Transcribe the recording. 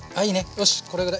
よしこれぐらい。